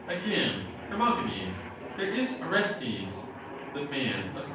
Again, Hermogenes, there is Orestes (the man of the orcstes.